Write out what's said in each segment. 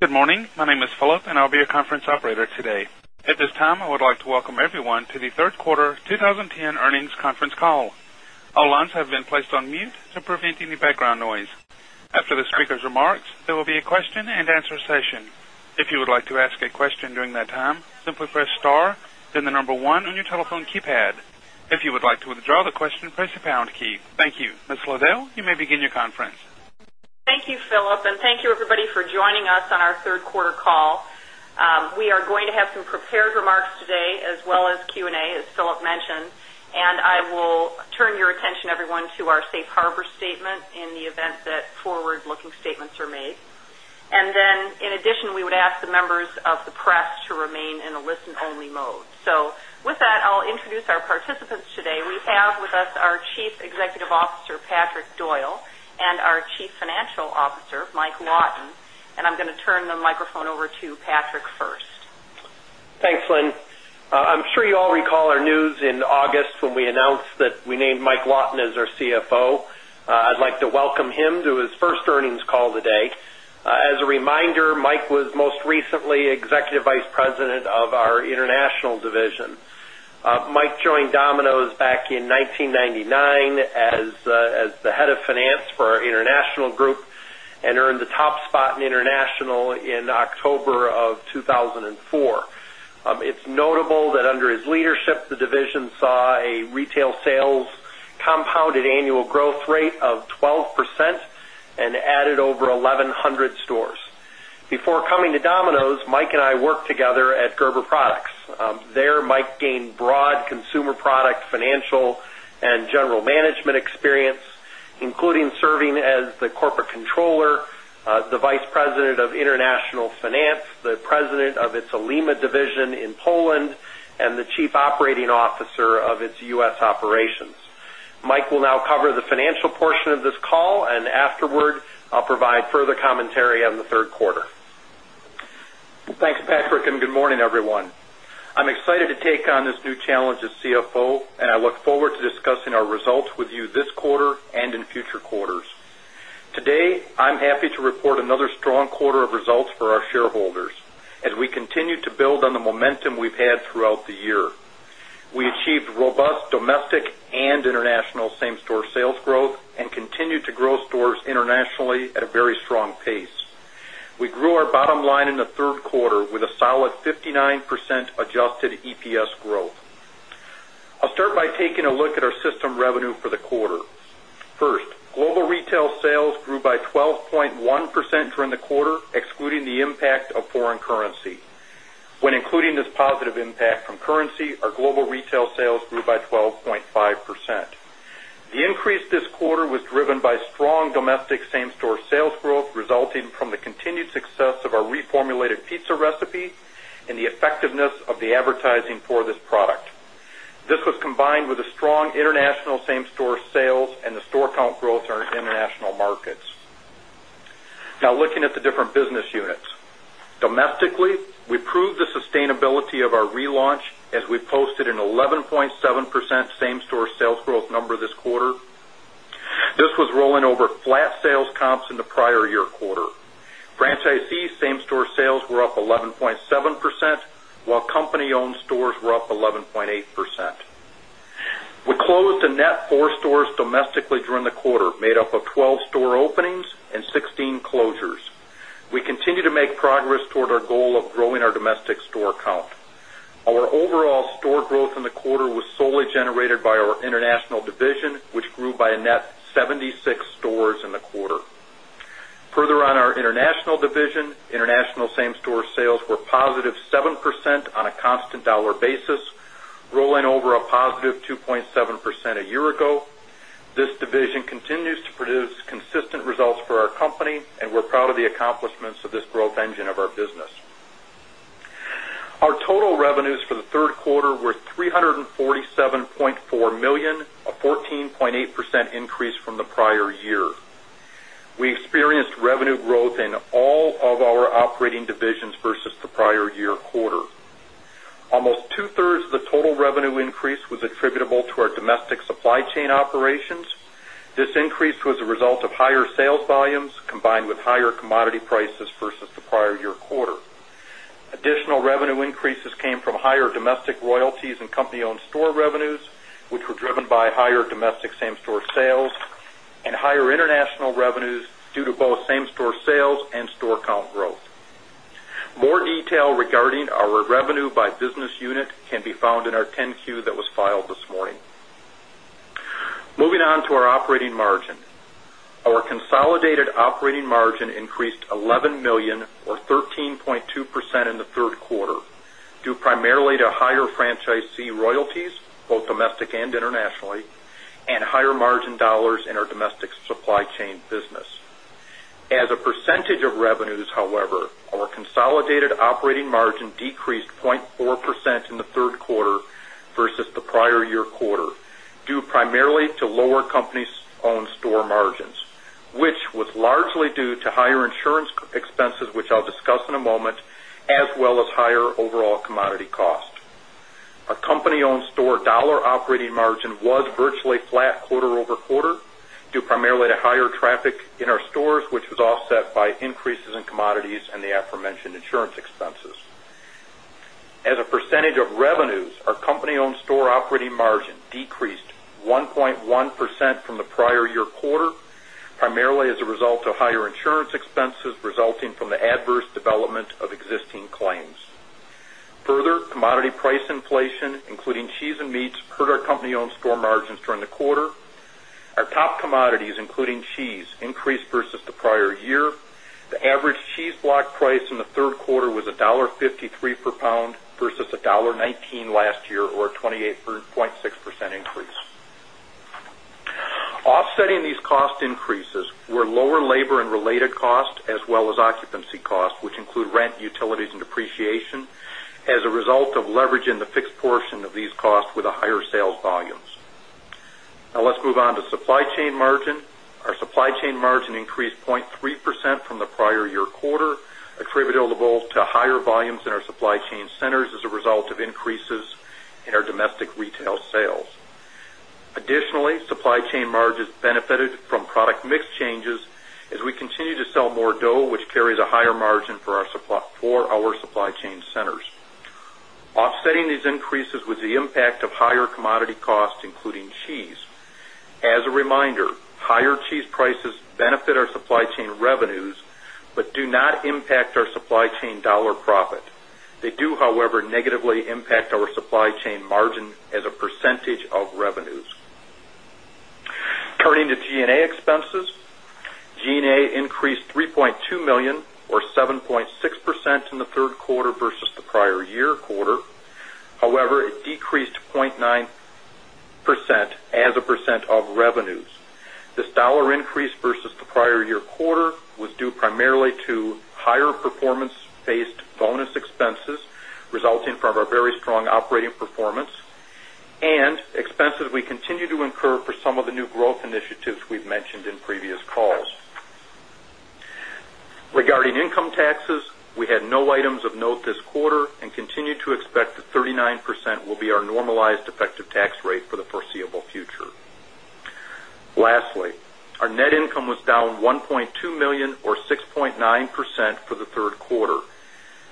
Good morning. My name is Philip, and I'll be your conference operator today. At this time, I would like to welcome everyone to the Third Quarter twenty ten Earnings Conference Call. After the speakers' remarks, there will be a question and answer session. Thank you. Ms. Lodell, you may begin your conference. Thank you, Philip, and thank you everybody for joining us on our third quarter call. We are going to have some prepared remarks today as well as Q and A as Philip mentioned. And I will turn your attention, everyone, to our Safe Harbor statement in the event that forward looking statements are made. And then in addition, we would ask the members of the press to remain in a listen only mode. So with that, I'll introduce our participants today. We have with us our Chief Executive Officer, Patrick Doyle and our Chief Financial Officer, Mike Lawton. And I'm going to turn the microphone over to Patrick first. Thanks, Lynn. I'm sure you all recall our news August when we announced that we named Mike Lauten as our CFO. I'd like to welcome him to his first earnings call today. As a reminder, Mike was most recently Executive Vice President of our International division. Mike joined Domino's back in 1999 as the Head of Finance for our International group and earned the top spot in International in February. It's notable that under his leadership, the division saw a retail sales compounded annual growth rate of 12% and added over 1,100 stores. Before coming to Domino's, Mike and I worked together at Gerber Products. There, Mike gained broad consumer product, financial and general management experience, including serving as the Corporate Controller, Finance the President of its Alima Division in Poland and the Chief Operating Officer of its U. S. Operations. Mike will now cover the financial portion of this call and afterward, I'll provide further commentary on the third quarter. Thanks, Patrick, and good morning, everyone. I'm excited to take on this new challenge as CFO, and I look forward to discussing our results with you this quarter and in future quarters. Today, I'm happy to report another strong quarter of results for our shareholders as we continue to build on the momentum we've had throughout the year. We achieved robust domestic and international same store sales growth and continued to grow stores internationally at a very strong pace. We grew our bottom line in the third quarter with a solid 59% adjusted EPS growth. I'll start by taking a look at our system revenue for the quarter. First, global retail sales grew grew by 12.1 during the quarter, excluding the impact of foreign currency. When including this positive impact from currency, our global retail sales grew by 12.5%. The increase this quarter was driven by strong domestic same store sales growth resulting from the continued success of our reformulated pizza recipe and the effectiveness of the advertising for this product. This was combined with a strong international same store sales and the store count growth in our international markets. Now looking at the different business units. Domestically, we proved the sustainability of our relaunch as we posted an 11.7 same store sales growth number this quarter. This was rolling over flat sales comps in the prior year quarter. Franchisee same store sales were up 11.7%, while company owned stores were up 11.8%. We closed a net four stores domestically during the quarter made up of 12 store openings and 16 closures. We continue to make progress toward our goal of growing our domestic store count. Our overall store growth in the quarter was solely generated by our international division, which grew by a net 76 stores in the quarter. Further on our international division, international same store sales were positive 7% on a constant dollar basis, rolling over a positive 2.7% a year ago. This division continues to produce consistent results for our company, and we're proud of the accomplishments of this growth engine of our business. Our total revenues for the third quarter were $347,400,000 a 14.8% increase from the prior year. We experienced revenue growth operating divisions versus the prior year quarter. Almost two thirds of the total revenue increase was attributable to our domestic supply chain operations. This increase was a result of higher sales volumes combined with commodity prices versus the prior year quarter. Additional revenue increases came from higher domestic royalties and company owned store revenues, which were driven by higher domestic same store sales and higher international revenues due to both same store sales and store count growth. More detail regarding our revenue by business unit can be found in our 10 Q that was filed this morning. Moving on to our operating margin. Our consolidated operating margin increased $11,000,000 or 13.2% in the third quarter, due primarily to higher franchisee royalties, both domestic and internationally, and higher margin dollars in our domestic supply chain business. As a percentage of revenues, however, our consolidated operating margin decreased 0.4% in the third quarter versus the prior year quarter due primarily to lower company owned store margins, which was largely due to higher insurance expenses, which I'll discuss in a moment, as well as higher overall commodity cost. Our company owned store dollar operating margin was virtually flat quarter over quarter due primarily to higher traffic in our stores, which was offset by increases in commodities and the aforementioned insurance expenses. As percentage of revenues, our company owned store operating margin decreased 1.1% from the prior year quarter, primarily as a result of higher insurance expenses resulting from the adverse development of existing claims. Further, commodity price inflation, including cheese and meats, hurt our company owned store margins during the quarter. Our top commodities, including cheese, increased versus the prior year. The average cheese block price in the third quarter was $1.53 per pound versus $1.19 last year or 28.6 percent increase. Offsetting these cost increases were lower labor and related costs as well as occupancy costs, which include rent, utilities and depreciation as a result of leveraging the fixed portion of these costs with a higher sales volumes. Now let's move on to supply chain margin. Our supply chain margin increased 0.3% from the prior year quarter, attributable to higher volumes in our supply chain centers as a result of increases in our domestic retail sales. Additionally, supply chain margins benefited from product mix changes as we continue to sell more dough, which carries a higher margin for our supply chain centers. Offsetting these increases was the impact of higher commodity costs, including cheese. As a reminder, higher cheese prices benefit our supply chain revenues, but do not impact our supply chain dollar profit. They do, however, negatively impact our supply chain margin as a percentage of revenues. Turning to G and A expenses. G and A increased $3,200,000 or 7.6% in the third quarter versus the prior year quarter. However, it decreased 0.9% as a percent of revenues. This dollar increase versus the prior year quarter was due primarily to higher performance based bonus expenses resulting from our very strong operating performance expenses we continue to incur for some of the new growth initiatives we've mentioned in previous calls. Regarding income taxes, we had no items of note this quarter and continue to expect that 39% will be our normalized effective tax rate for foreseeable future. Lastly, our net income was down $1,200,000 or 6.9% for the third quarter.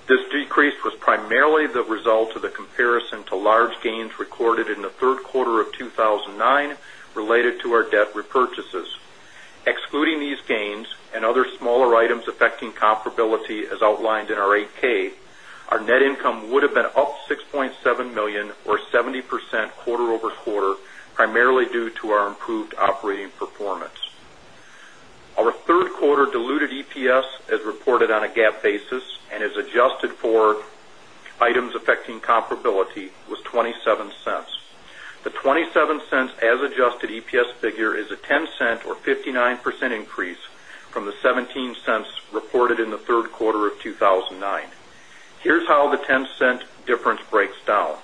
This decrease was primarily the result of the comparison to large gains recorded in the February related to our debt repurchases. Excluding these gains and other smaller items affecting comparability as outlined in our eight ks, our net income would have been up $6,770,000 or 70% quarter over quarter, primarily due to our improved operating performance. Our third quarter diluted EPS as reported on a GAAP basis and as adjusted for items affecting comparability was $0.27 The $0.27 as adjusted EPS figure is a $0.10 or 59% increase from the $0.17 reported in the February. Here's how the $0.10 difference breaks down.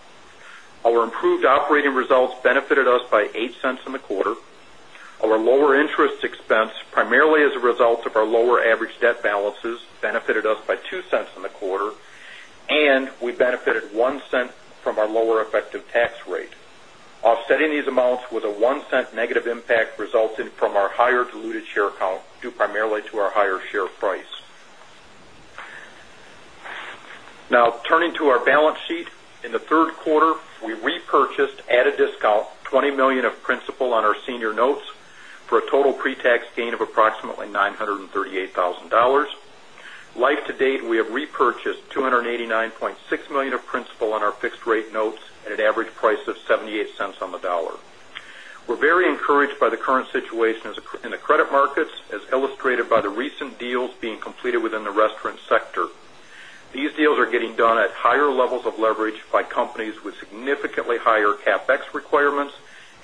Our improved operating results benefited us by $08 in the quarter. Our lower interest expense primarily as a result of our lower average debt balances benefited us by $02 in the quarter and we benefited $01 from our lower effective tax rate. Offsetting these amounts was a $01 negative impact resulting from our higher diluted share count due primarily to our higher share price. Now turning to our balance sheet. In the third quarter, we repurchased at a discount $20,000,000 of principal on our senior notes for a total pretax gain of approximately $938,000 Life to date, we have repurchased $289,600,000 of principal on our fixed rate notes at an average price of $0.78 on the dollar. We're very encouraged by the current situation in the credit markets as illustrated by the recent deals being completed within the restaurant sector. These deals are are getting done at higher levels of leverage by companies with significantly higher CapEx requirements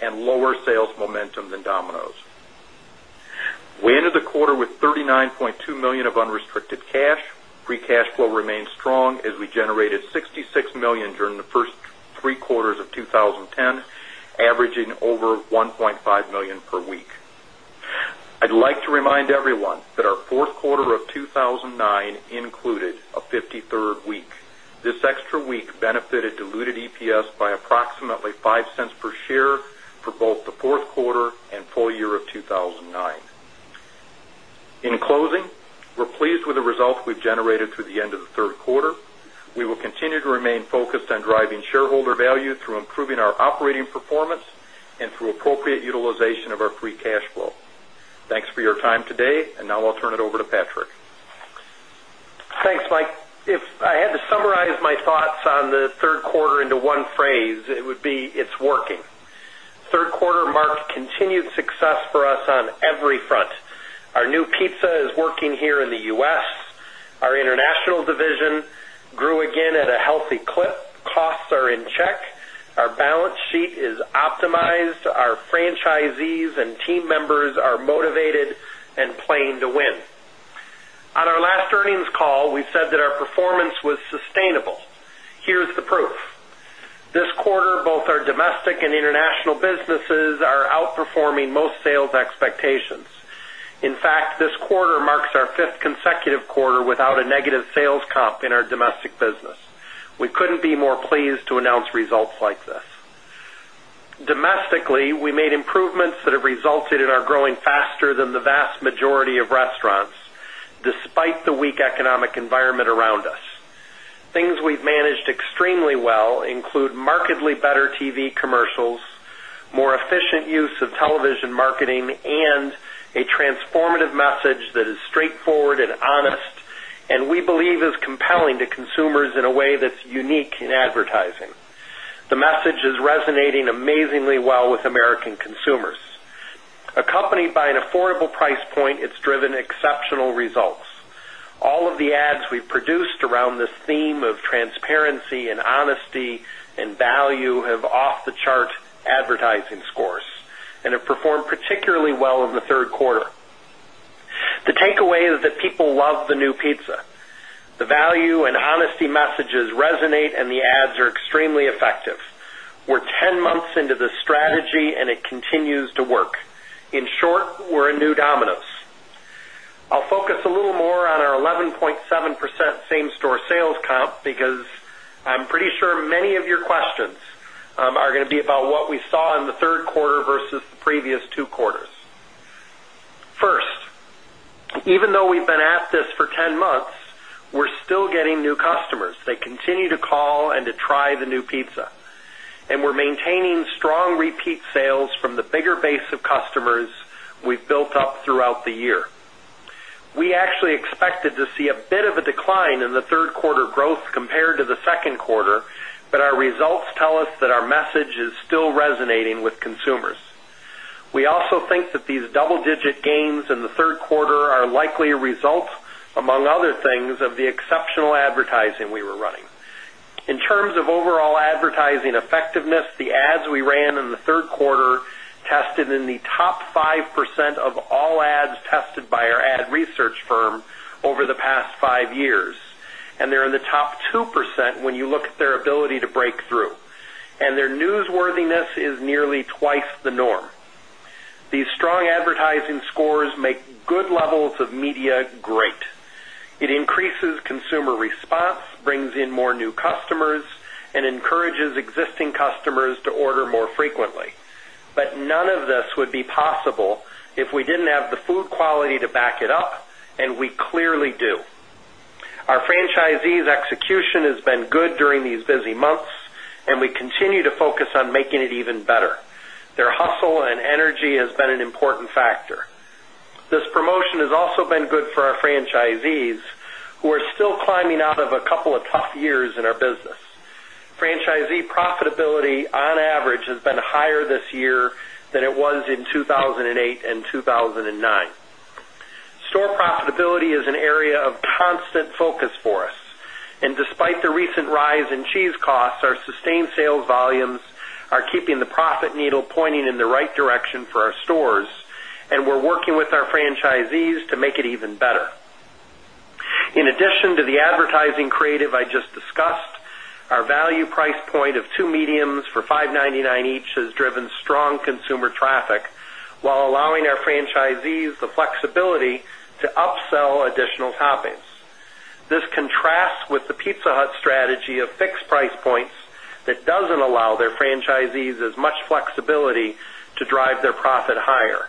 and lower sales momentum than Domino's. We ended the quarter with $39,200,000 of unrestricted cash. Free cash flow remained strong as we generated $66,000,000 during the first three quarters of twenty ten, averaging over 1,500,000 per week. I'd like to remind everyone that our February a fifty third week. This extra week benefited diluted EPS by approximately $05 per share for both the fourth quarter and full year of 02/2009. In closing, we're pleased with the results we've generated through the end of the third quarter. We will continue to remain focused on driving shareholder value through improving our operating performance and through appropriate utilization of our free cash flow. Thanks for your time today. And now I'll turn it over to Patrick. Thanks, Mike. If I had to summarize my thoughts on the third quarter into one phrase, it would be it's working. Third quarter marked continued success for us on every front. Our new pizza is working here international division grew again at a healthy clip. Costs are in check. Our balance sheet is optimized. Our franchisees and team members are motivated and playing to win. On our last earnings call, we said that our performance was sustainable. Here's the proof. This quarter, both our domestic and international businesses are outperforming most sales expectations. In fact, this quarter marks our fifth consecutive quarter without a negative sales comp in our domestic business. We couldn't be more pleased to announce results like this. Domestically, we made improvements that have resulted in our growing faster than the vast majority of restaurants despite the weak economic environment around us. Things we've managed extremely well include markedly better TV commercials, more efficient use of television marketing and a transformative message straightforward and honest and we believe is compelling to consumers in a way that's unique in advertising. The message is resonating amazingly well with American consumers. Accompanied by an affordable price point, it's driven exceptional results. All of the ads we've produced around this theme of transparency and honesty and value have off the chart advertising scores and have performed particularly well in the third quarter. Takeaway is that people love the new pizza. The value and honesty messages resonate and the ads are extremely effective. We're ten months into the strategy and it continues to work. In short, we're a new Domino's. I'll focus a little more on our 11.7% same store sales comp because I'm pretty sure many of your questions are going to be about what we saw in the third quarter versus previous two quarters. First, even though we've been at this for ten months, we're still getting new customers. They continue to call and to try the new pizza. And maintaining strong repeat sales from the bigger base of customers we've built up throughout the year. We actually expected to see a bit of a decline in the third quarter growth compared to the second quarter, but our results tell us that our message is still resonating with consumers. We also think that these double digit gains in the third quarter are likely a result among other things of the exceptional advertising we were running. In terms of overall advertising effectiveness, the ads we ran in the third quarter tested in the top 5% of all ads tested by our ad research firm over the past five years, and they're in the top 2% when you look to break through. And their newsworthiness is nearly twice the norm. These strong advertising scores make good levels of media great. It increases consumer response, brings in more new encourages existing customers to order more frequently. But none of this would be possible if we didn't have the food quality to back it up, and we clearly do. Our franchisees' execution has been good during these busy months, and we continue to focus on making it even better. Their hustle and energy has been an important factor. This promotion has also been good for our franchisees who are still climbing out of a couple of tough years in our business. Franchisee profitability on average has been higher this year than it was in 2008 and 02/2009. Store profitability is an area of constant focus for us. And despite the recent rise in cheese costs, our sustained sales volumes are keeping the profit needle pointing in the right direction for our stores, and we're working with our franchisees to make it even better. In addition to the advertising creative I just discussed, our value price point of two mediums for $5.99 each has driven strong consumer traffic, while allowing our franchisees flexibility to upsell additional toppings. This contrasts with the Pizza Hut strategy of fixed price points that doesn't allow their franchisees as much flexibility to drive their profit higher.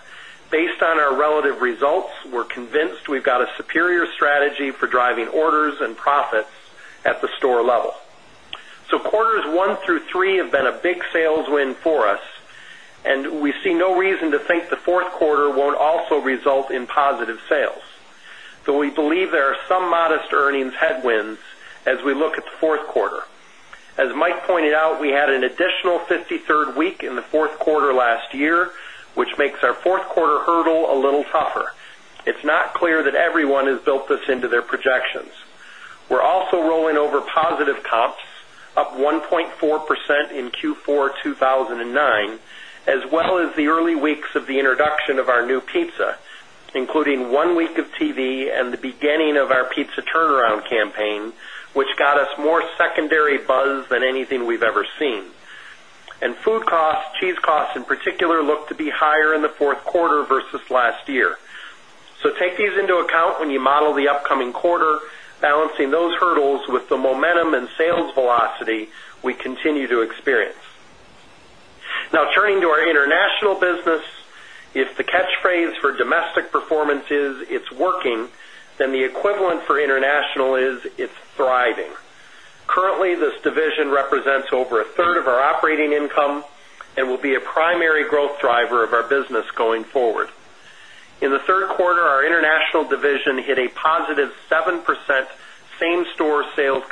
Based on our relative results, we're convinced we've got a superior strategy for driving orders and profits at the store level. So quarters one through three have been a big sales win for us, and we see no reason to think the fourth fourth quarter won't also result in positive sales. So we believe there are some modest earnings headwinds as we look at the fourth quarter. As Mike pointed out, we had an additional fifty third week in the fourth quarter last year, which makes our fourth quarter hurdle a little tougher. It's not clear that everyone has built this into their projections. We're also rolling over positive comps, up 1.4% in Q4 two thousand and nine as well as the early weeks introduction of our new pizza, including one week of TV and the beginning of our pizza turnaround campaign, which got us more secondary buzz than anything we've ever seen. And food costs, cheese costs, in particular, look to be higher in the fourth quarter versus last year. So take these into account when you model the upcoming quarter, balancing those hurdles with the momentum and sales velocity we continue to experience. Now turning to our international business. If the catchphrase for domestic performance is it's working, then the equivalent for international is it's thriving. Currently, this division represents over a third of our operating income and will be a primary growth driver of our business going forward. In the third quarter, our International division hit a positive 7% same store sales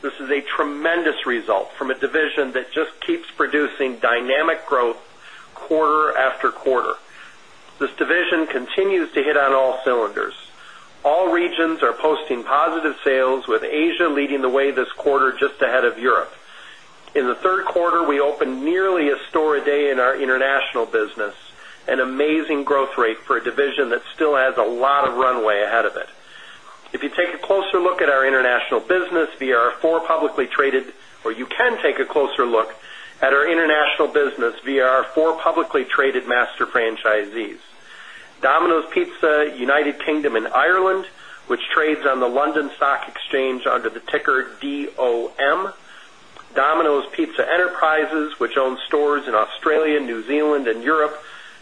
This is a tremendous result from a division that just keeps producing dynamic growth same quarter after quarter. This division continues to hit on all cylinders. All regions are posting positive sales with Asia leading the way this quarter just ahead of Europe. In the third quarter, we opened nearly a store a day in our international business, an amazing growth rate for a division that still has a lot of runway ahead of it. If you take a closer look at our international business via our four publicly traded or you can take a closer look at our international business via our four publicly traded master franchisees: Domino's Pizza, United Kingdom and Ireland, which trades on the London Stock Exchange under the ticker DOM Domino's Pizza Enterprises, which own stores in Australia, New Zealand and Europe,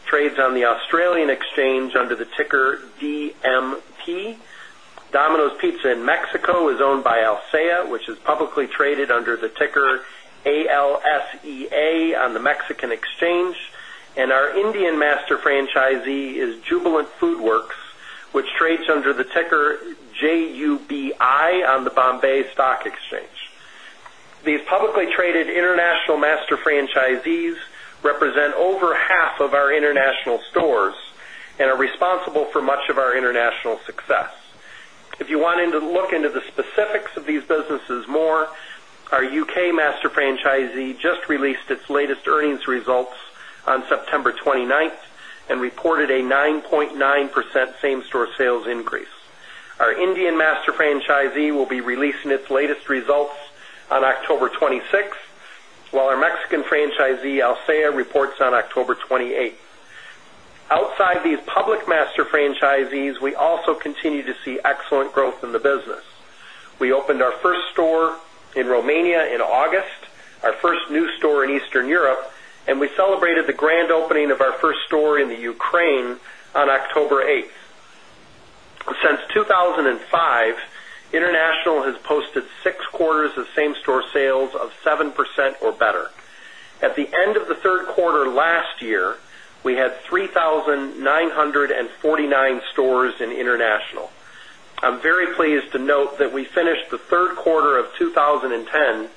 trades on the Australian Exchange under the ticker DMP. Domino's Pizza in Mexico is owned by ALSAIA, which is publicly traded under the ticker ALSEA on the Mexican Exchange. And our Indian master franchisee is Jubilant FoodWorks, which trades under the ticker J U B I on the Bombay Stock Exchange. These publicly traded international master franchisees represent over half of our international stores and are responsible for much of our international success. If you want to look into the specifics of these businesses more, our UK master franchisee just released its latest earnings results on September 29 and reported a 9.9% same store sales increase. Our Indian master franchisee will be releasing its latest results on October 26, while our Mexican franchisee, Alcea reports on October 28. Outside these public master franchisees, we also continue to see excellent growth in the business. We opened our first store in Romania in August, our first new store Eastern Europe, and we celebrated the grand opening of our first store in The Ukraine on October 8. Since 02/2005, international has posted six quarters of same store sales of 7% or better. At the end of the third quarter last year, we had 3,949 stores in international. I'm very pleased to note that we finished the third quarter of twenty ten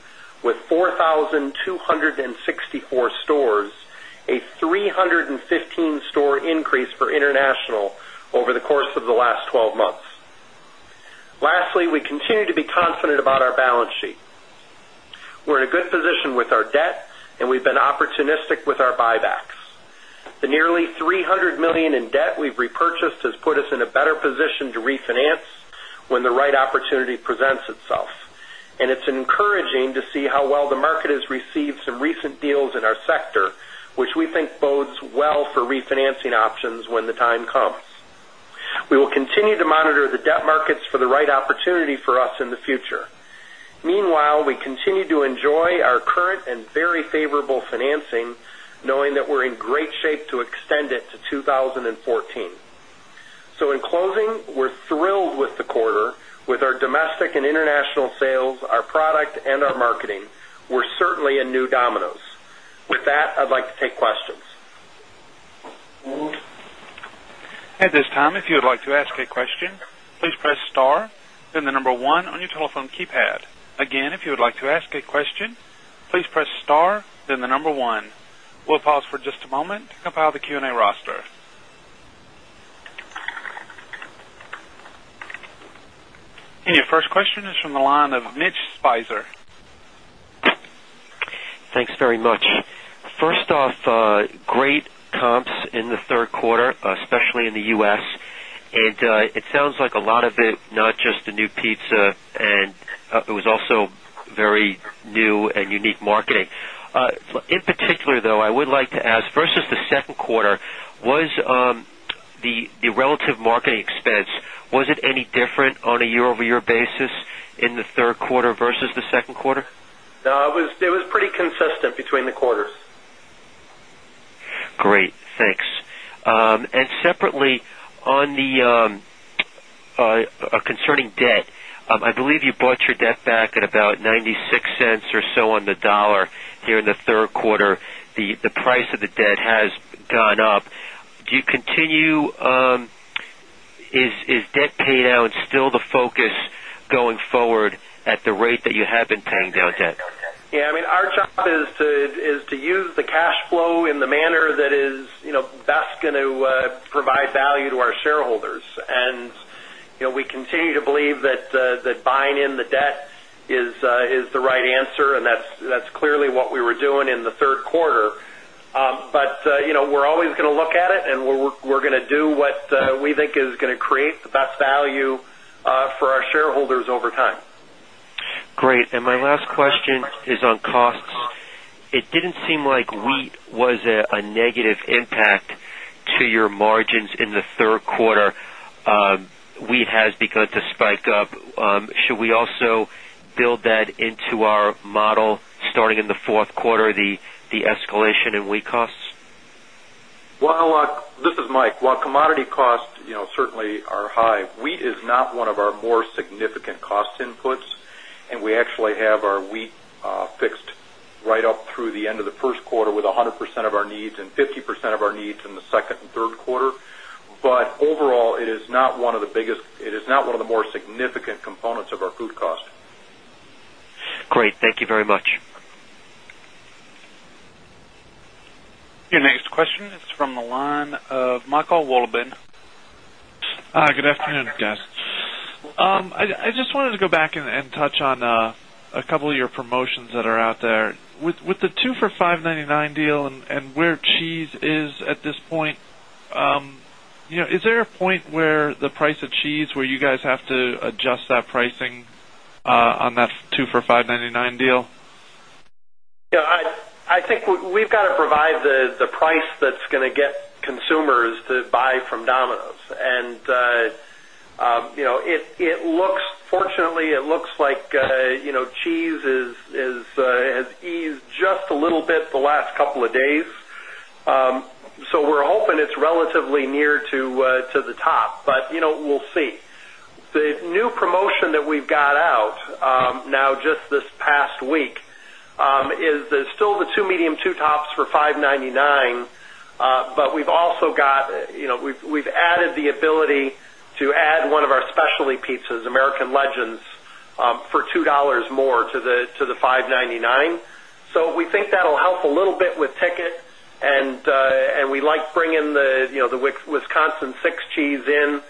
with 4,264 stores, a three fifteen store increase for international over the course of the last twelve months. Lastly, we continue to be confident about our balance sheet. We're in a good position with our debt, and we've been opportunistic with our buybacks. The nearly $300,000,000 in debt we've repurchased has put us in a better position to refinance when the presents itself. And it's encouraging to see how well the market has received some recent deals in our sector, which we think bodes well for refinancing options when the time comes. We will will continue to monitor the debt markets for the right opportunity for us in the future. Meanwhile, we continue to enjoy our current and very favorable financing, knowing that we're in great shape to extend it to 2014. So in closing, we're thrilled with the quarter with our domestic and international sales, our product and our marketing. We're certainly a new Domino's. With that, I'd like to take And your first question is from the line of Mitch Spicer. First off, great comps in the third quarter, especially in The U. S. And it sounds like a lot of it, not just the new pizza, and it was also very new and unique marketing. In particular, though, I would like to ask versus the second quarter, was the relative marketing expense, was it any different on a year over year basis in the third quarter versus the second quarter? No, it was pretty consistent between the quarters. Great. And separately, on the concerning debt, I believe you bought your debt back at about $0.96 or so on the dollar here in the third quarter. The price of the debt has gone up. Do you continue is debt paydown still the focus going forward at the rate that you have been paying down debt? Yes. I mean, our job is to use the cash flow in the manner that is best going to provide value to our shareholders. And we continue to believe that buying in the debt is the right answer, and that's clearly what we were doing in the third quarter. But we're always going to look at it, and we're going to do what we think is going to create the best value for our shareholders over time. Great. And my last question is on costs. Didn't seem like wheat was a negative impact to your margins in the third quarter. Wheat has begun to spike up. Should we also build that into model starting in the fourth quarter, the escalation in wheat costs? Well, this is Mike. While commodity costs certainly are high, wheat is not one of our more significant cost inputs. And we actually have our wheat fixed right up through the end of the first quarter with 100% of our needs and 50% of our needs in the second and third quarter. But overall, it is not one of the biggest it is not one of the more significant components of our food cost. Great. Thank you very much. Your next question is from the line of Michael Waldman. Hi, good afternoon, guys. I just wanted to go back and touch on a couple of your promotions that are out there. With the two for $5.99 deal and where cheese is at this point, is there a point where the price of cheese where you guys have to adjust that pricing on that two for $5.99 deal? I think we've got to provide the price that's going to get consumers to buy from Domino's. And fortunately, it looks like cheese has eased just a little bit the last couple of days. So we're hoping it's relatively near to the top, but we'll see. The new promotion that we've got out now just this past week is still the two medium two tops for $5.99 but we've also got we've added ability to add one of our specialty pizzas, American Legends, for $2 more to the $5.99 So we think that will help a little bit with ticket. And we like bringing the Wisconsin six Cheese in.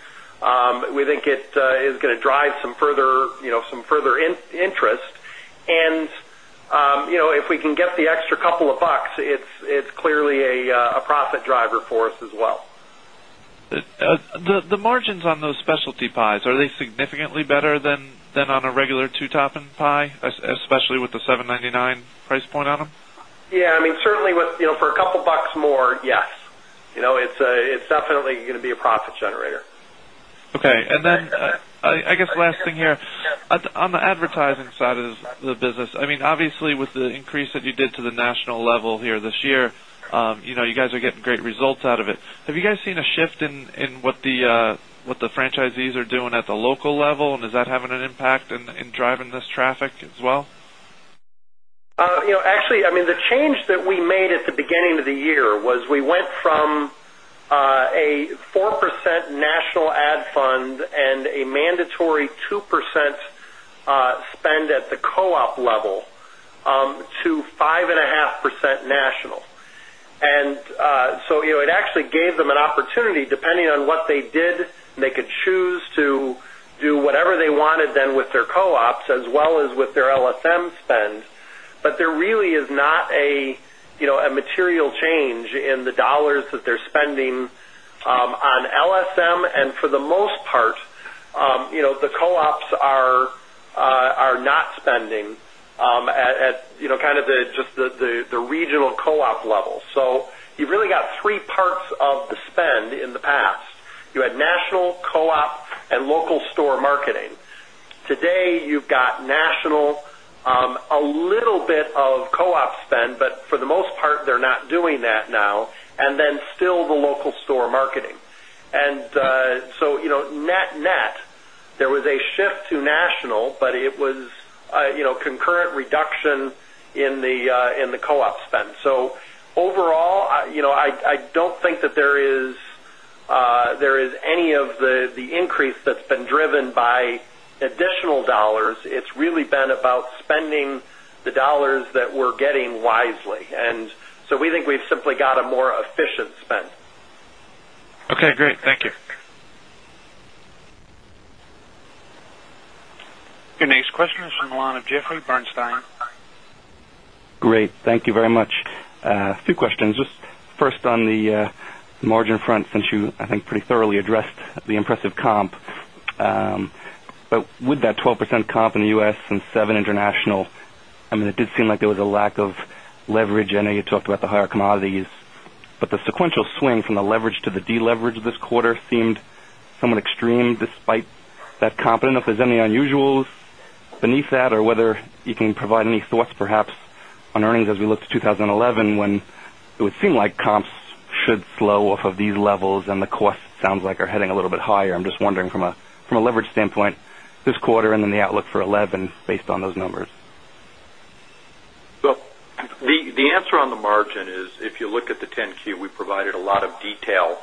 We think it is going to drive some further interest. And if we can get the extra couple of bucks, it's clearly a profit driver for us as well. The margins on those specialty pies, are they significantly better than on a regular two topping pie, especially with the $7.99 price point on them? Yes. Mean, certainly, for a couple bucks more, yes. It's definitely going to be a profit generator. Then guess last thing here. On the advertising side of the business, I mean, obviously, with the increase that you did to the national level here this year, you guys are getting great results out of it. Have you guys seen a shift in what the franchisees are doing at the local level? And is that having an impact in driving this traffic as well? Actually, I mean, the change that we made at the beginning of the year was we went from a four percent national ad fund and a mandatory 2% spend at the co op level to 5.5% national. And so it actually gave them an opportunity depending on what they did, they could choose to do whatever they wanted then with their co ops as well as with their spend. But there really is not a material change in the dollars that they're spending on LSM. And for the most part, the co ops are not spending at kind of the just the regional co op level. So you've really got three parts of the spend in the past. You had national co op and local store marketing. Today, you've got national, a little bit of co op spend, but for the most part, they're not doing that now, and then still the local store marketing. And so net net, there was a shift to national, but it was concurrent reduction in the co op spend. So overall, I don't think that there is any of the increase that's been driven by additional dollars. It's really been about spending the dollars that we're getting wisely. And so we think we've simply got a more efficient spend. Okay, great. Thank you. Your next question is from the line of Jeffrey Bernstein. Great. Thank you very much. Few questions. Just first on the margin front since you, I think, pretty thoroughly addressed impressive comp. But with that 12% comp in The U. S. And 7% international, I mean, it did seem like there was a lack of leverage. I know you talked about the higher commodities. But the sequential swing from leverage to the deleverage this quarter seemed somewhat extreme despite that confident. Is there any unusual beneath that or whether you can provide any thoughts perhaps on earnings as we look to 2011 when it would seem like comps should slow off of these levels and the costs sounds like are heading a little bit higher. I'm just wondering from a leverage standpoint this quarter and then the outlook for 'eleven based on those numbers. Well, the answer on the margin is, if you look at the 10 Q, we provided a lot of detail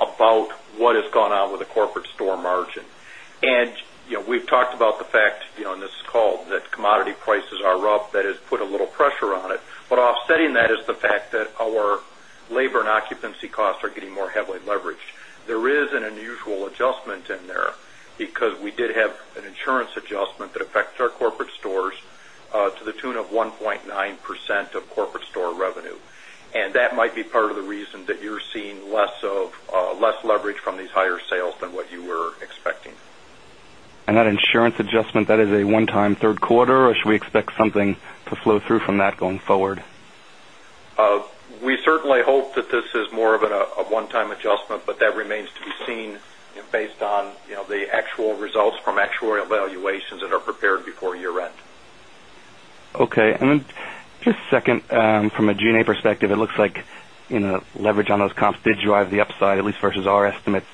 about what has gone on with the corporate store margin. And we've talked about the fact on this call that commodity prices are rough, that has put a little pressure on it. But offsetting that is the fact that our labor and occupancy costs are getting more heavily leveraged. There is an unusual adjustment in there because we did have an insurance adjustment that affects our corporate stores to the tune of 1.9% of corporate store revenue. And that might be part of the reason that you're seeing less leverage from these higher sales than what you were expecting. And that insurance adjustment, that is a onetime third quarter? Or should we expect something to flow through from that going forward? We certainly hope that this is more of a onetime adjustment, but that remains to be seen based on the actual results from actuarial valuations that are prepared before year end. Okay. And then just second, from a G and A perspective, it looks like leverage on those comps did drive the upside, at least versus our estimates.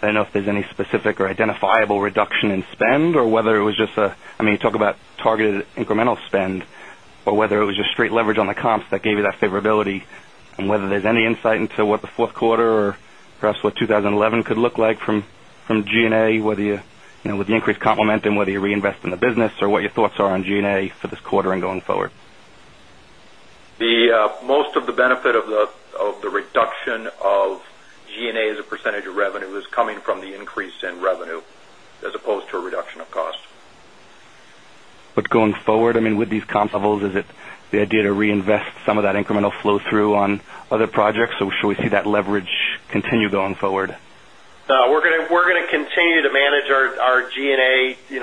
I don't know if there's any specific or identifiable reduction in spend or whether it was just a I mean, talk about targeted incremental spend or whether it was just straight leverage on the comps that gave you that favorability and whether there's any insight into what the fourth quarter or perhaps what 2011 could look like from G and A, whether you with the increased complement and whether you reinvest in the business or what your thoughts are on G and A for this quarter and going forward? The most of the benefit of the reduction of G and A as a percentage of revenue is coming from the increase in revenue as opposed to a reduction of cost. But going forward, I mean, with these comp levels, is it the idea to reinvest some of that incremental flow through on other projects? Or should we see that leverage continue going forward? We're going to continue to manage our G and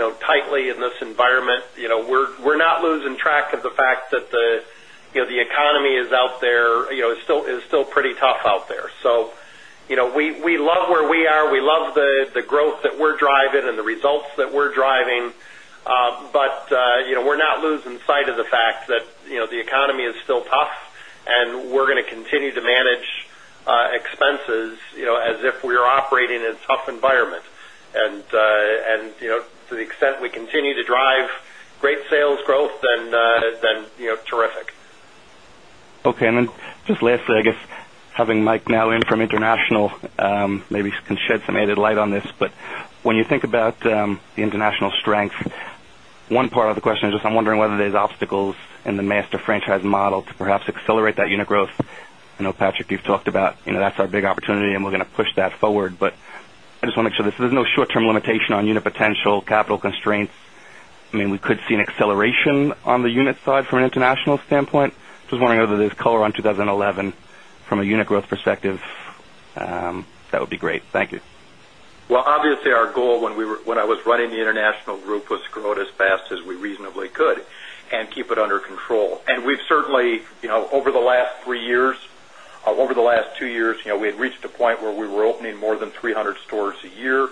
A tightly in this environment. We're not losing track of the fact that the economy is out there is still pretty tough out there. So we love where we are. We love the growth that we're driving and the results that we're driving. But we're not losing sight of the fact that the economy is still tough, and we're going to continue to manage expenses as if we are operating in tough environment. And to the extent we continue to drive great sales growth, terrific. Okay. And then just lastly, I guess, having Mike now in from international, maybe he can shed some light on this. But when you think about the international strength, one part of the question is just I'm wondering whether there's obstacles in the master franchise model to perhaps accelerate that unit growth. I know, Patrick, you've talked about that's our big opportunity, and we're going to push that forward. But I just want to make there's no short term limitation on unit potential, constraints. I mean, we could see an acceleration on the unit side from an international standpoint. Just wondering whether there's color on 2011 from a unit growth perspective, that would be great. Thank you. Well, obviously, our goal when we were when I was running the international group was grow it as fast as we reasonably could and keep it under control. And we've certainly over the last three years, over the last two years, we reached a point where we were opening more than 300 stores a year.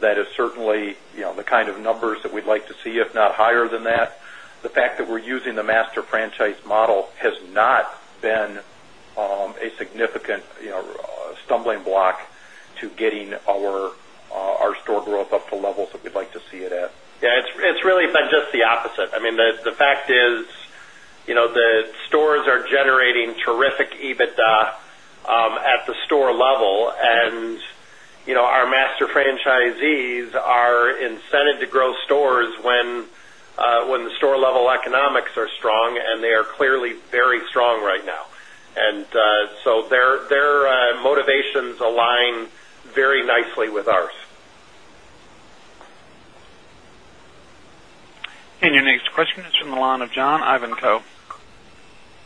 That is certainly the kind of numbers that we'd like to see, if not higher than that. The fact that we're using the master franchise model has not been a significant stumbling block to getting our store growth up to levels that we'd like to see it at. Yes, it's really been just the opposite. I mean, fact is, the stores are generating terrific EBITDA at the store level. And our master franchisees are incented to grow stores when the store level economics are strong, and they are clearly very strong right now. And so their motivations align very nicely with ours. And your next question is from the line of Jon Ivanko.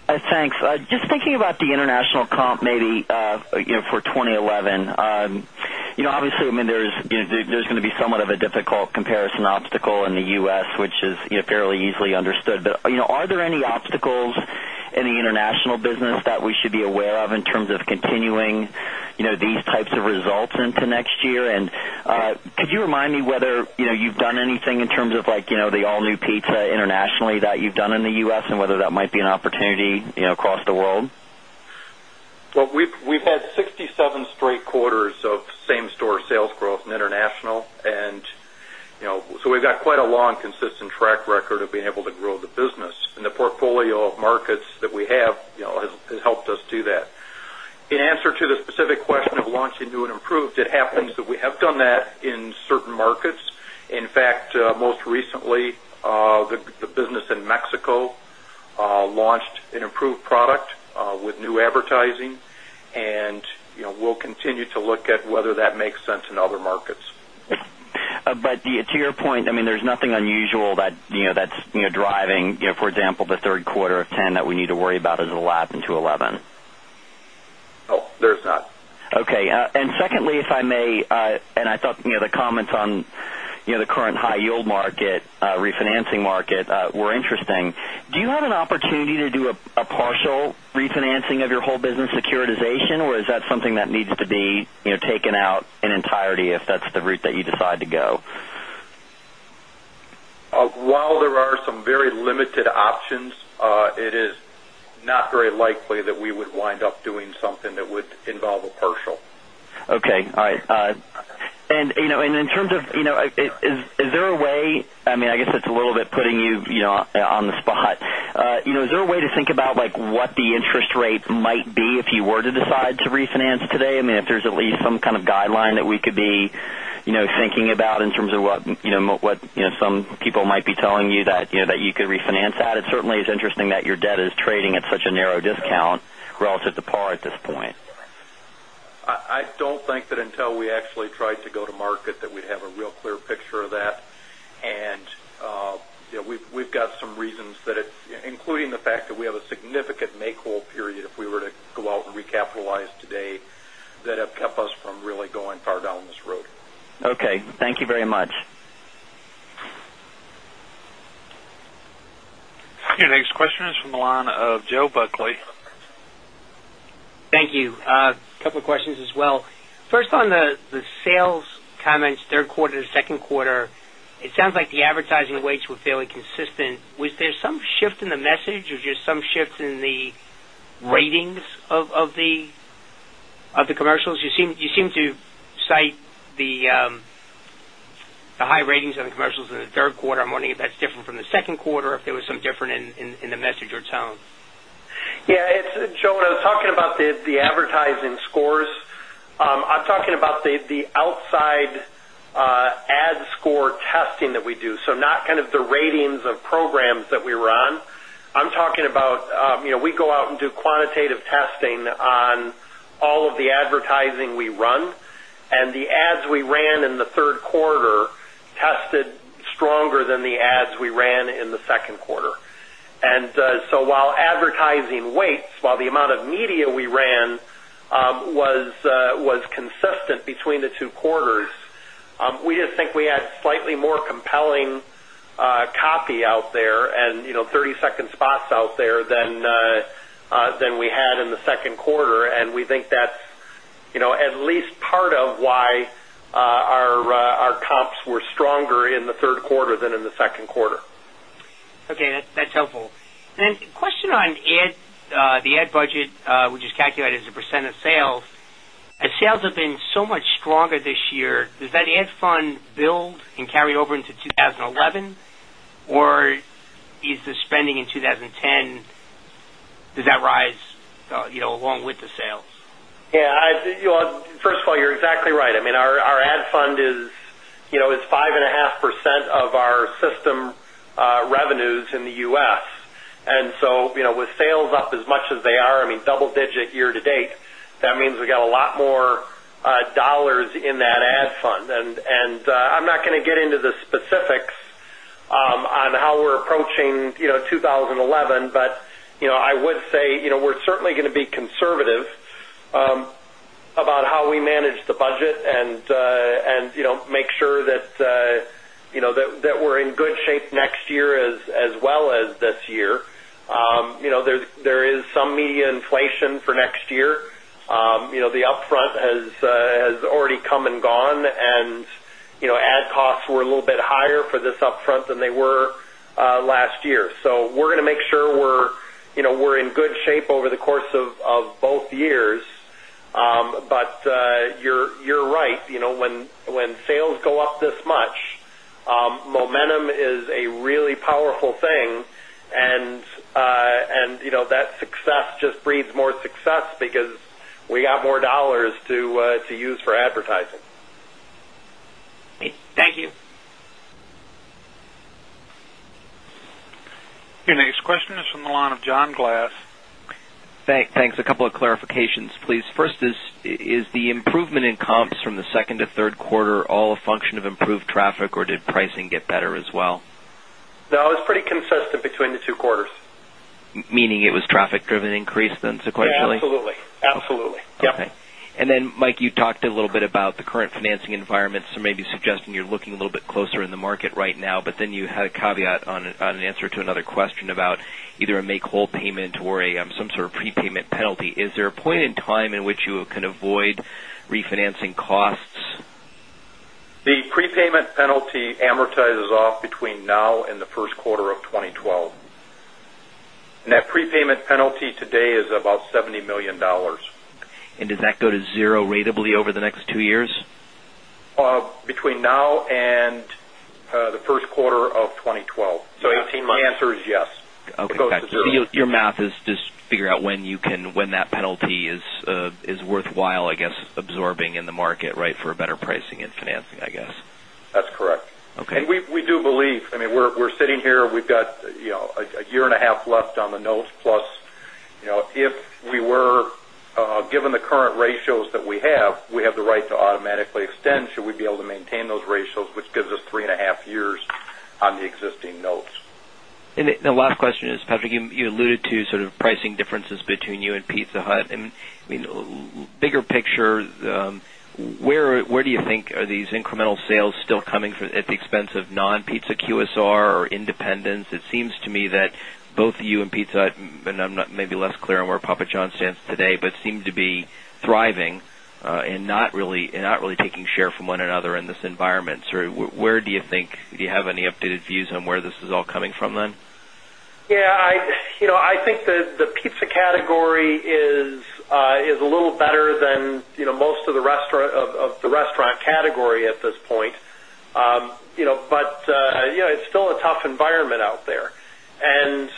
Thanks. Just thinking about the international comp maybe for 2011. Obviously, I mean, there's going to be somewhat of a difficult comparison obstacle in The U. S, which is fairly easily understood. But are there any obstacles in the international business that we should be aware of in terms of continuing these types of results into next year? And could you remind me whether you've done anything in terms of like the all new pizza internationally that you've done in The U. S. And whether that might be an opportunity across the world? Well, we've had 67 straight quarters of same store sales growth in international. And so we've got quite a long consistent track record of being able to grow the business. And the portfolio of markets that we have has helped us do that. In answer to the specific question of launching new and improved, it happens that we have done markets. In fact, most recently, the business in Mexico launched an improved product with new advertising, and we'll continue to look at whether that makes sense in other markets. But to your point, I mean, there's nothing unusual that's driving, for example, the third quarter of 'ten that we need to worry about as a lap into 'eleven? No, there's not. Okay. And secondly, if I may, and I thought the comments on the current high yield market refinancing market were interesting. Do you have an opportunity to do a partial refinancing of your whole business securitization? Or is that something that needs to be taken out in entirety if that's the route that you decide to go? While there are some very limited options, it is not very likely that we would wind up doing something that would involve a partial. Okay. All right. And in terms of is there a way I mean, I guess, it's a little bit putting you on the spot. Is there a way to think about like what the interest rate might be if you were to decide to refinance today? I mean if there's at least some kind of guideline that we could be thinking about in terms of what some people might be telling you that you could refinance at? It certainly is interesting that your debt is trading at such a narrow discount relative to par at this point. I don't think that until we actually tried to go to market that we'd have a real clear picture of that. And we've got some reasons that it's including the fact that we have a significant make whole period if we were to go out and recapitalize today that have kept us from really going far down this road. Okay. Thank you very much. Your next question is from the line of Joe Buckley. A couple of questions as well. First on the sales comments, third quarter to second quarter, it sounds like the advertising rates were fairly consistent. Was there some shift in the message or just some shift in the ratings of the commercials? You seem to cite the high ratings on the commercials in the third quarter. I'm wondering if that's different from the second quarter, if there was some difference in the message or tone. Joe, when I was talking about the advertising scores, I'm talking about the outside ad score testing that we do, so not kind of the ratings of programs that we run. I'm talking about we go out and do quantitative testing on all of the advertising we run. And the ads we ran in the third quarter tested stronger than the ads we ran in the second quarter. And so while advertising weights, while the amount of media we ran was consistent between the two quarters. We just think we had slightly more compelling copy out there and thirty second spots out there than we had in the second quarter. And we think that's at least part of why our comps were stronger in the third quarter than in the second quarter. Okay, that's helpful. And then question on ad, the ad budget, which is calculated as a percent of sales. Sales have been so much stronger this year, does that ad fund build and carry over into 2011? Or is the spending in 2010, does that rise along with the sales? Yes. First of all, you're exactly right. I mean, our ad fund is 5.5% of our system revenues in The U. S. And so with sales up as much as they are, I mean, digit year to date, that means we got a lot more dollars in that ad fund. And I'm not going to get into the specifics on how we're approaching 2011. But I would say, we're certainly going to be conservative about how we manage the budget and make sure that we're in good shape next year as well as this year. There is some media inflation for next year. The upfront has already come and gone and ad costs were a little bit higher for this upfront than they were last year. So we're going to make sure we're in good shape over the course of both years. But you're right, when sales go up this much, momentum is a really powerful thing. And that success just breeds more success because we got more dollars to use for advertising. Your next question question is from the line of John Glass. A couple of clarifications, please. First is, is the improvement in comps from the second to third quarter all a function of improved traffic or did pricing get better as well? No, it was pretty consistent between the two quarters. Meaning it was traffic driven increase then sequentially? Yes, absolutely. Absolutely. Yes. Okay. And then Mike, you talked a little bit about the current financing environment, so maybe suggesting you're looking a little bit closer in the market right now, but then you had a caveat on an answer to another question about either a make whole payment or some sort of prepayment penalty. Is there a point in time in which you can avoid refinancing costs? The prepayment penalty amortizes off between now and the first quarter of twenty twelve. And that prepayment penalty today is about $70,000,000 And does that go to zero ratably over the next two years? Between now and the first quarter of twenty twelve. So eighteen months? The answer is yes. Okay. Your math is just figure out when you can when that penalty is worthwhile, I guess, absorbing in the market, right, for a better pricing and financing, I guess? That's correct. Okay. And we do believe I mean, we're sitting here, we've got a year and a half left on the notes plus, if we were given the current ratios that we have, we have the right to automatically extend should we be able to maintain those ratios, which gives us three point five years on the existing notes. And the last question is, Patrick, you alluded to sort of pricing differences between you and Pizza Hut. I mean, bigger picture, where do you think are these incremental sales still coming at the expense of non Pizza QSR or independents? It seems to me that both you and Pizza Hut, and I'm not maybe less clear on where Papa John's stands today, but seem to be thriving and not really taking share from one another in this environment. So where do you think do you have any updated views on where this is all coming from then? Yes. I think the pizza category is a little better than most of the restaurant category at this point. But it's still a tough environment out there. And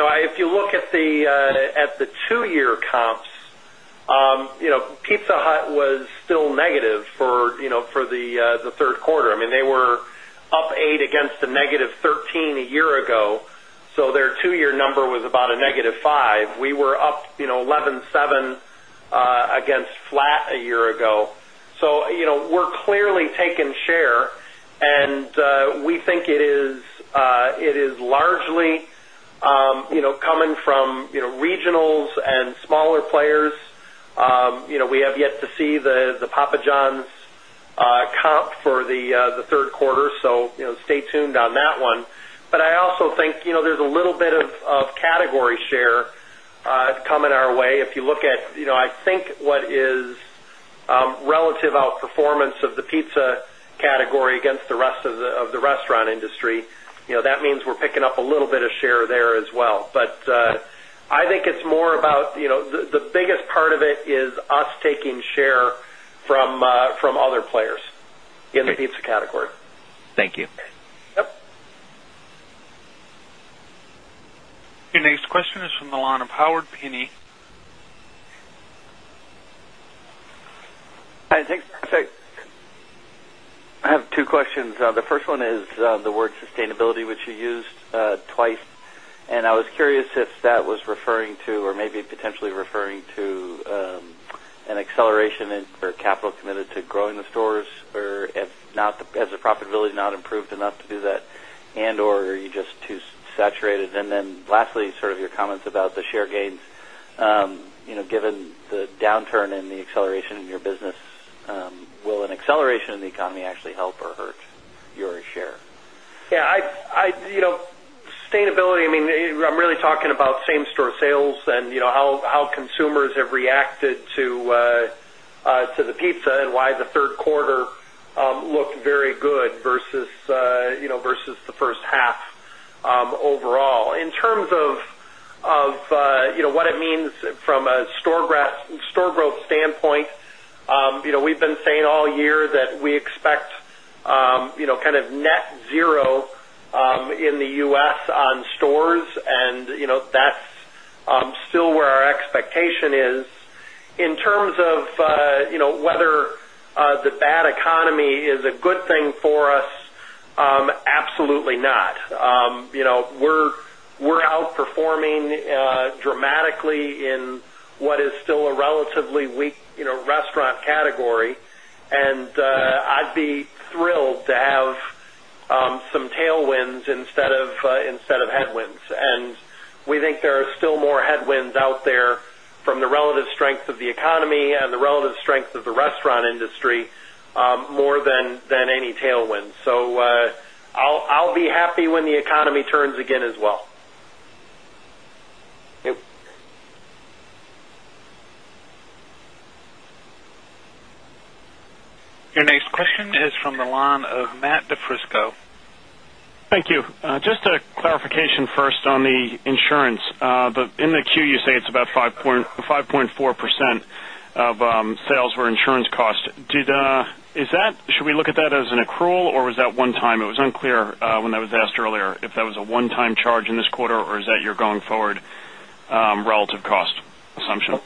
if you look at the two year comps, Pizza Hut was still negative for the third quarter. I mean, they were up 8% against negative 13% a year ago. So their two year number was about a negative 5%. We were up 11.7% against flat a year ago. So we're clearly taking share. And we think it is largely coming from regionals and smaller players. We have yet to see the Papa John's comp for the third quarter. So stay tuned on that one. But I also think there's a little bit of category share coming our way. If you look at I think what is relative outperformance of the pizza category against the rest of the restaurant industry, that means we're picking up a little bit of share there as well. But I think it's more about the biggest part of it is us taking share from other players in the pizza category. Thank you. Your next question is from the line of Howard Pinney. Hi, thanks. I have two questions. The first one is the word sustainability, which you used twice. And I was curious if that was referring to or maybe potentially referring to an acceleration in or capital committed to growing the stores or if not as the profitability not improved enough to do that and or are you just too saturated? And then lastly, sort of your comments about the share gains. Given the downturn and the acceleration in your business, will an acceleration in the economy actually help or hurt your share? Yes. Sustainability, I mean, I'm really talking about same store sales and how consumers have reacted to the pizza and why the third quarter looked very good versus the first half overall. In terms of what it means from a store growth standpoint, we've been saying all year that we expect kind of net zero in The U. S. On stores, and still where our expectation is. In terms of whether the bad economy is a good thing for us, absolutely not. We're outperforming dramatically in what is still a relatively weak restaurant category. And I'd be thrilled to have some tailwinds instead of headwinds. And we think there are still more headwinds out there from the relative strength of the economy and the relative strength of the restaurant industry more than any tailwind. So I'll be happy when the economy turns again as well. Your next question is from the line of Matt DiFrisco. Just a clarification first on the insurance. In the Q, you say it's about 5.4% of sales were insurance costs. Did is that should we look at that as an accrual? Or was that onetime? It was unclear when that was asked earlier if that was a one time charge in this quarter or is that your going forward relative cost assumption?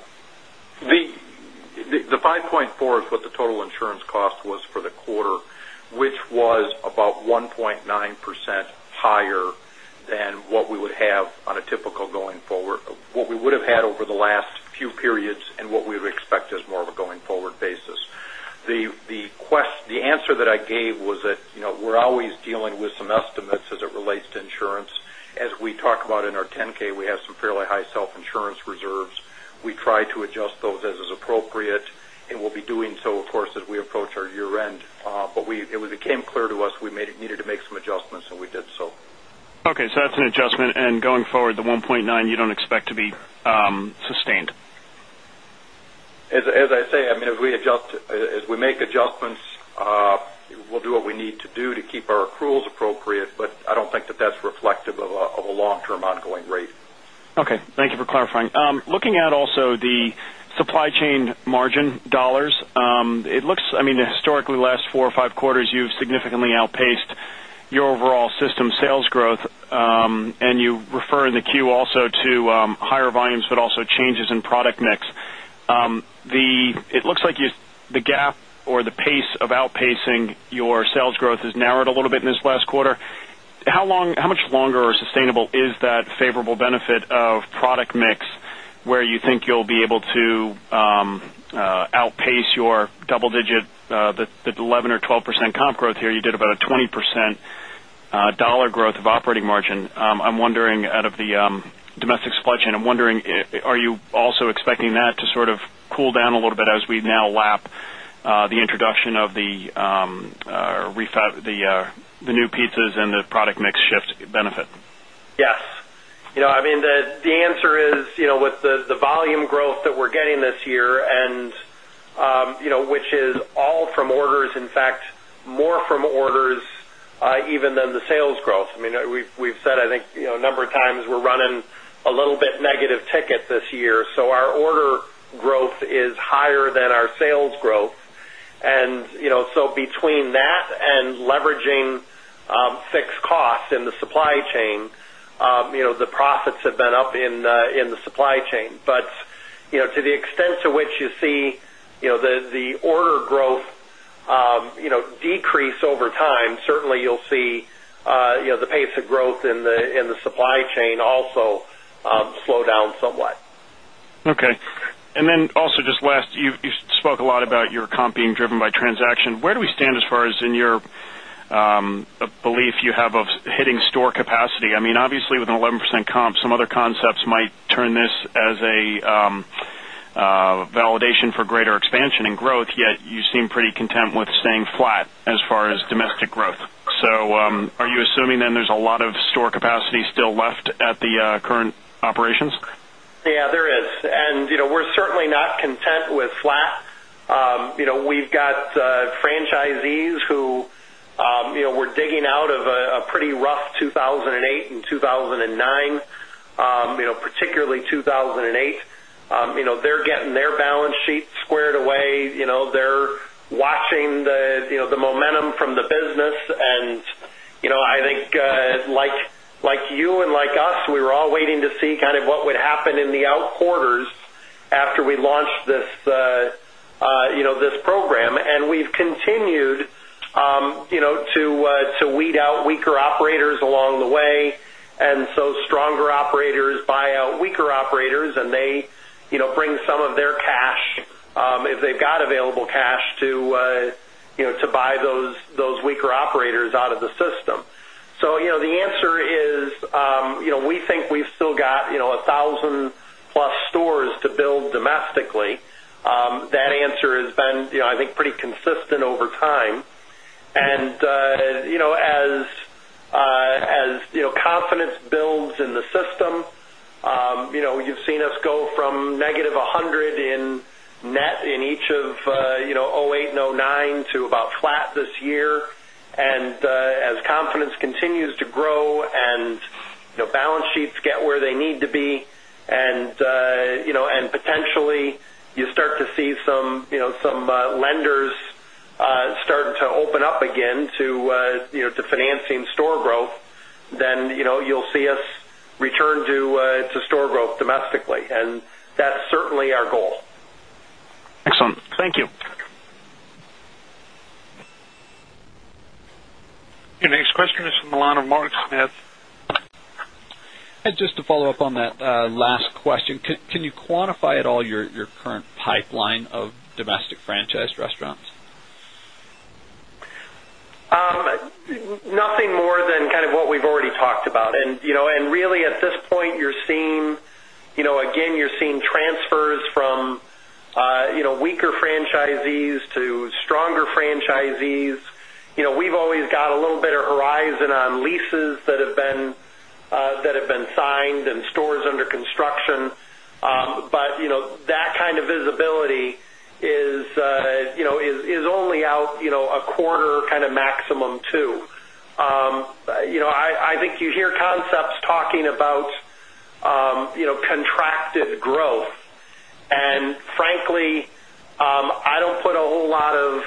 The 5.4% is what the total insurance cost was for the quarter, which was about 1.9% higher than what we would have on a typical going forward what we would have had over the last few periods and what we would expect as more of a going forward basis. The answer that I gave was that we're always dealing with some estimates as it relates to insurance. As we talked about in our 10 ks, we have some fairly high self insurance reserves. We try to adjust those as is appropriate, and we'll be doing so, of course, as we approach our year end. But we it became clear to us we made needed to make some adjustments, and we did so. Okay. So that's an adjustment. And going forward, the 1,900,000,000.0 you don't expect to be sustained? As I say, I mean, as we adjust as we make adjustments, we'll do what we need to do to keep our accruals appropriate, but I don't think that that's reflective of a long term ongoing rate. Okay. Thank you for clarifying. Looking at also the supply chain margin dollars, it looks I mean, historically, last four or five quarters, you've significantly outpaced your overall system sales growth. And you refer in the Q also to higher volumes, but also changes in product mix. Looks like the gap or the pace of outpacing your sales growth has narrowed a little bit in this last quarter. How long how much longer or sustainable is that favorable benefit of product mix where you think you'll be able to outpace your double digit the 11 or 12% comp growth here, you did about a 20% growth of operating margin. I'm wondering out of the domestic supply chain, I'm wondering, are you also expecting that to sort of cool down a little bit as we now lap the introduction of the new pizzas and the product mix shift benefit? Yes. I mean, the answer is, with the volume growth that we're getting this year and which is all from orders, in fact, more from orders even than the sales growth. I mean, we've said, I think, a number of times, we're running a little bit negative ticket this year. So our order growth is higher than our sales growth. And so between that and leveraging fixed costs in the supply chain, the profits have been up in the supply chain. But to the extent to which you see the order growth decrease over time, certainly, you'll see the pace of growth in the supply chain also slow down somewhat. Okay. And then also just last, you spoke a lot about your comp being driven by transaction. Where do we stand as far as in your belief you have of hitting store capacity? I mean, obviously, with an 11% comp, some other concepts might turn this as a validation for greater expansion and growth, yet you seem pretty content with staying flat as far as domestic growth. So are you assuming then there's a lot of store capacity still left at the current operations? Yes, there is. And we're certainly not content with flat. We've got franchisees who were digging out of a pretty rough 2008 and 02/2009, particularly 02/2008. They're getting their balance sheet squared away. They're watching the momentum from the business. And I think like you and like us, we were all waiting to see kind of what would happen in the out quarters after we launched this program. And we've continued to weed out weaker operators along the way. And so stronger operators buy out weaker operators, and they bring some of their cash, if they've got available cash to buy those weaker operators out of the system. So the answer is, we think we've still got 1,000 plus stores to build domestically. That answer has been, I think, pretty consistent over time. And as confidence builds in the system, you've seen us go from negative 100 in net in each of 'eight and about flat this year. And as confidence continues to grow and balance sheets get where they need to be and potentially you start to see some lenders starting to open up again to financing store growth, then you'll see us return to store growth domestically. And that's certainly our goal. Your next question is from the line of Mark Smith. And just to follow-up on that last question, quantify at all your current pipeline of domestic franchise restaurants? Nothing more than kind of what we've already talked about. And really at this point, again, you're seeing transfers from weaker franchisees to stronger franchisees. We've always got a little bit of horizon on leases that have been signed and stores under construction. But that kind of visibility is only out a quarter kind of maximum two. I think you hear concepts talking about contracted growth. And frankly, I don't put a whole lot of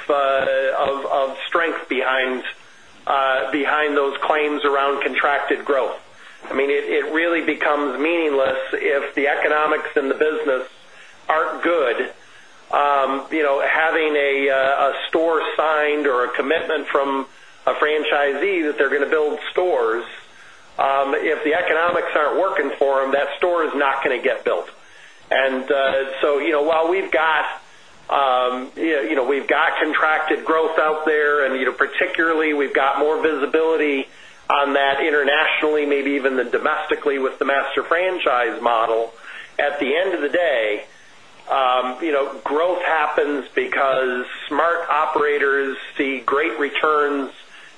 strength behind those claims around contracted growth. I mean, it really becomes meaningless if the economics in the business aren't good. Having a store signed or a commitment from a franchisee that they're going to build stores, if the economics aren't working for them, that store is not going to get built. And so while we've got contracted growth out there and particularly we've got more visibility internationally, maybe even domestically with the master franchise model. At the end of the day, growth happens because smart operators see great returns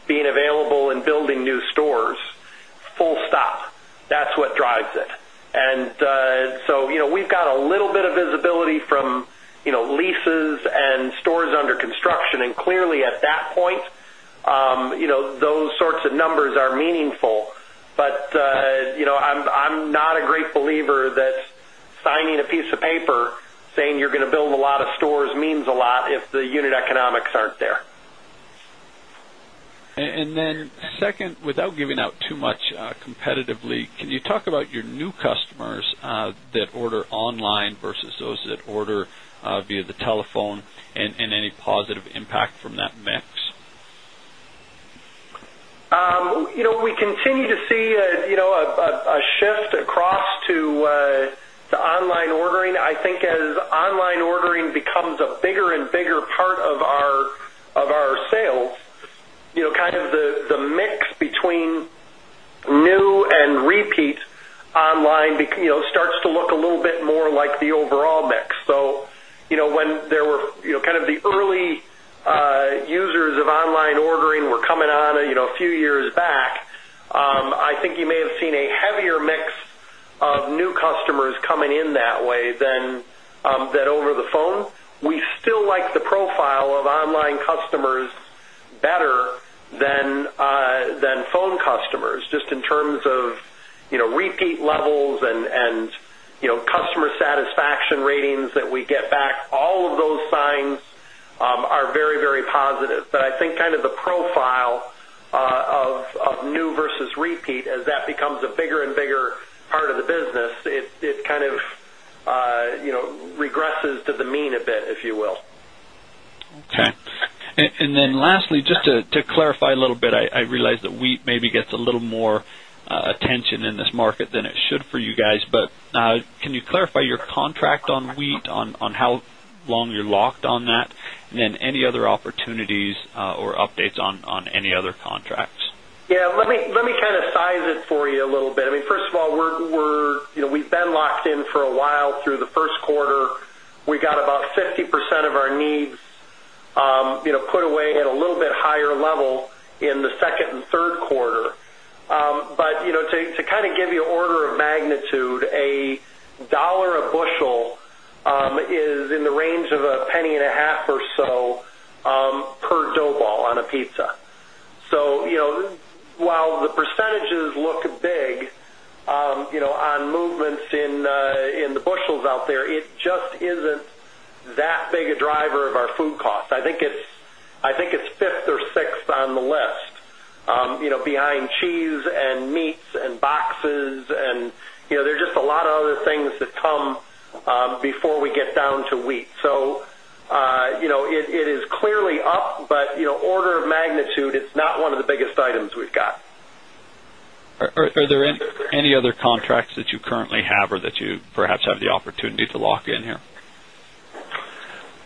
being available and building new stores. Stop. That's what drives it. And so we've got a little bit of visibility from leases and stores under construction. And clearly, at that point, those sorts of numbers are meaningful. But I'm not a great believer that signing a piece of paper saying you're going to build a lot of stores means a lot if the unit economics aren't there. And then second, without giving out too much competitively, can you talk about your new customers that order online versus those that order via the telephone and any positive impact from that mix? We continue to see a shift across to online ordering. I think as online ordering becomes a bigger and bigger part of our sales, kind of the mix between new and repeat online starts to look a little bit more like the overall mix. When there were kind of the early users of online ordering were coming on a few years back, I think you may have seen a heavier mix of new customers coming in that way than over the phone. We still still like the profile of online customers better phone. Than phone customers just in terms of repeat levels satisfaction ratings that we get back, all of those signs are very, very positive. But I think kind of the profile of new versus repeat as that becomes a bigger and bigger part of the business, kind of regresses to the mean a bit, if you will. Okay. And then lastly, just to clarify a little bit, I realize that wheat maybe gets attention in this market than it should for you guys. But can you clarify your contract on wheat on how long you're locked on that? And then any other opportunities or updates on any other contracts? Yes. Let me kind of size it for you a little bit. Mean, first of all, we're we've been locked in for a while through the first quarter. We got about 50% of our needs put away at a little bit higher level in the second and third quarter. But to kind of give you order of magnitude, a dollar a bushel is in the range of a penny and a half or so per dough ball on a pizza. So while the percentages look big on movements in the bushels out there, it just isn't that big a driver of our food cost. I think it's fifth or sixth on the list behind cheese and meats and boxes. And there's just a lot of other things that come before we get down to wheat. So it is clearly up, but order of magnitude, it's not one of the biggest items we've got. Are there any other contracts that you currently have or that you perhaps have the opportunity to lock in here?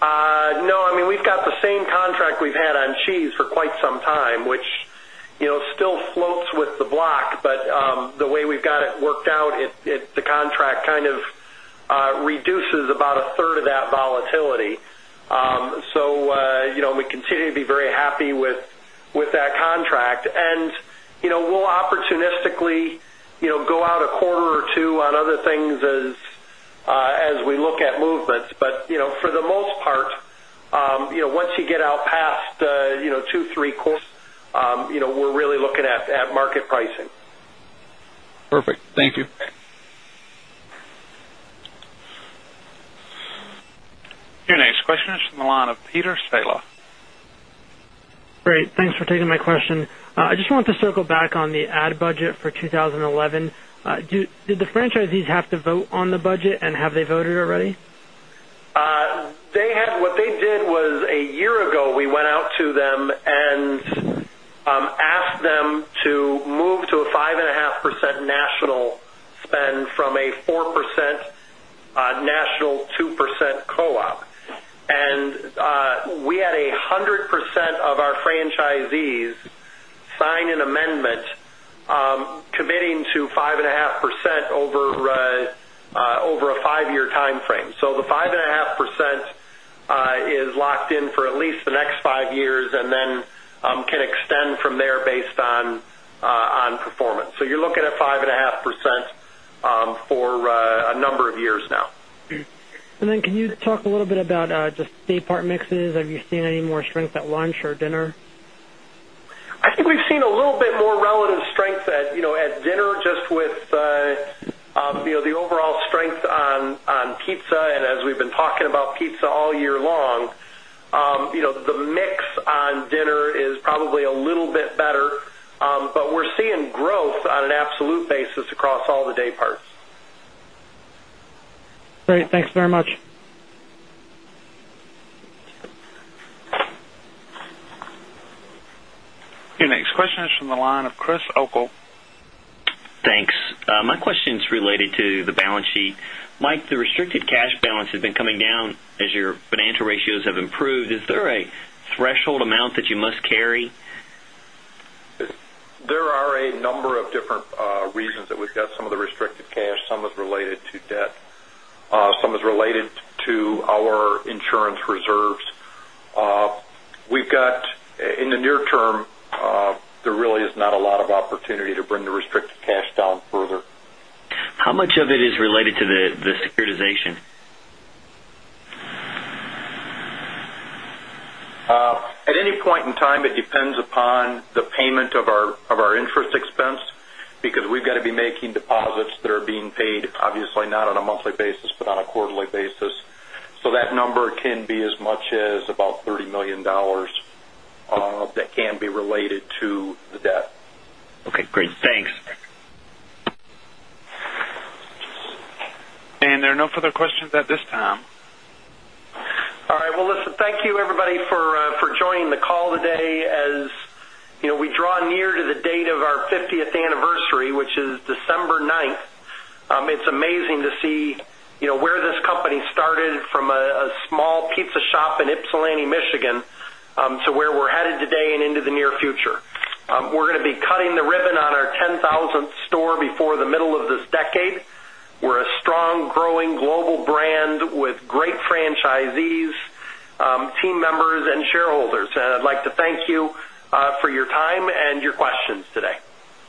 No. I mean, we've got the same contract we've had on Cheese for quite some time, which still floats with the block. But the way we've got it worked out, the contract kind of reduces about a third of that volatility. So we continue to be very happy with that contract. And we'll opportunistically go out a quarter or two on other things as we look at movements. But for the most part, once you get out past two, three quarters, we're really looking at market pricing. Perfect. Thank you. Your next question is from the line of Peter Stalla. Great. Thanks for taking my question. I just want to circle back on the ad budget for 2011. Did the franchisees have to vote on the budget and have they voted already? They had what they did was a year ago, we went out to them and asked them to move to a 5.5% national spend from a 4% national two percent co op. And we had 100% of our franchisees sign an amendment committing to 5.5% over a five year timeframe. So the 5.5% is locked in for at least the next five years and then can extend from there based on performance. So you're looking at 5.5% for a number of years now. And then can you talk a little bit about just the part mixes? Have you seen any more strength at lunch or dinner? I think we've seen a little bit more relative strength at dinner just with the overall strength on pizza. And as we've been talking about pizza all year long, the mix on dinner is probably a little bit better. But we're seeing growth on an absolute basis across all the dayparts. Great. Thanks very much. Your next question is from the line of Chris O'Cull. My question is related to the balance sheet. Mike, the restricted cash balance has been coming down as your financial ratios have improved. Is there a threshold amount that you must carry? There are a number of different reasons that we've got some of the restricted cash. Some is related to debt. Some is related to our insurance reserves. We've got in the near term, there really is not a lot of opportunity to bring the restricted cash down further. How much of it is related to the securitization? At any point in time, depends upon the payment of our interest expense because we've got to be making deposits that are being paid, obviously, not on a monthly basis, but on a quarterly basis. So that number can be as much as about $30,000,000 related to the debt. And there are no further questions at this time. All right. Well, listen, thank you everybody for joining the call today. As we draw near to the date of our fiftieth anniversary, which is December 9, it's amazing to see where this company started from a small pizza shop in Ypsilanti, Michigan to where we're headed today and into the near future. We're going to be cutting the ribbon on our 10,000 store before the middle of this decade. We're a strong growing global brand with great franchisees, team members and shareholders. And I'd like to thank you for your time and your questions today.